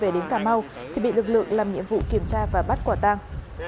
về đến cảm mau thì bị lực lượng làm nhiệm vụ kiểm tra và bắt quả tăng